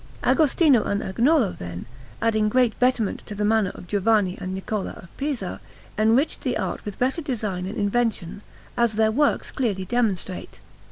Agostino and Agnolo, then, adding great betterment to the manner of Giovanni and Niccola of Pisa, enriched the art with better design and invention, as their works clearly demonstrate.